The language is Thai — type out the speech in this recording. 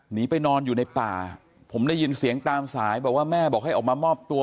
หนีไปนอนอยู่ในป่าผมได้ยินเสียงตามสายบอกว่าแม่บอกให้ออกมามอบตัว